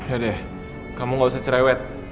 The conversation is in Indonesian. yaudah kamu gak usah cerewet